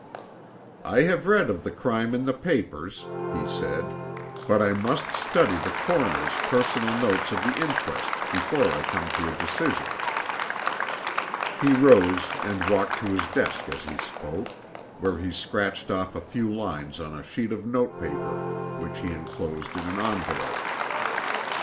"I have read of the crime in the papers," he said, "but I must study the coroner's personal notes of the inquest, before I come to a decision." He rose and walked to his desk as he spoke, where he scratched off a few lines on a sheet of notepaper, which he enclosed in an envelope.